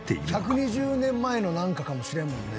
１２０年前のなんかかもしれんもんね。